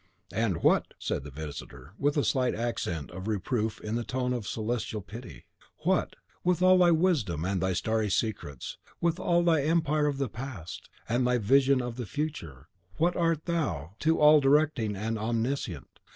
"And what," said the visitor, with a slight accent of reproof in the tone of celestial pity, "what, with all thy wisdom and thy starry secrets, with all thy empire of the past, and thy visions of the future; what art thou to the All Directing and Omniscient?